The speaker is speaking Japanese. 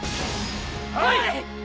はい！